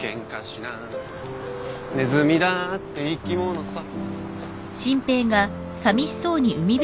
「ネズミだって生き物さ」